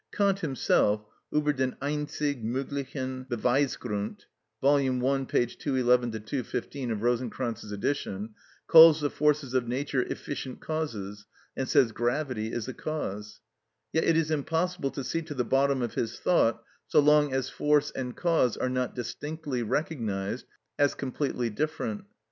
Kant himself (Über den Einzig Möglichen Beweisgrund, vol. i. p. 211 215 of Rosenkranz's edition) calls the forces of nature "efficient causes," and says "gravity is a cause." Yet it is impossible to see to the bottom of his thought so long as force and cause are not distinctly recognised as completely different.